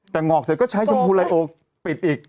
แต่งอกเสร็จก็ใช้ชมพูไลโอปิดอีก